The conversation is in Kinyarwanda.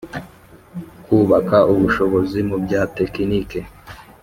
kubaka ubushobozi mu bya tekinike